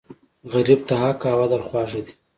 غریب ته حق او عدل خواږه دي